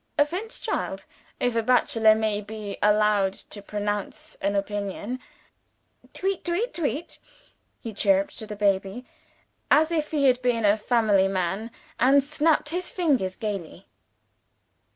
A fine child if a bachelor may be allowed to pronounce an opinion. Tweet tweet tweet!" He chirruped to the baby, as if he had been a family man, and snapped his fingers gaily.